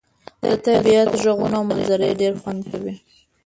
د طبيعت ږغونه او منظرې ډير خوند کوي.